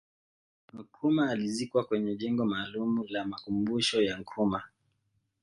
Nkrumah alizikwa kwenye jengo maalumu la makumbusho ya Nkrumah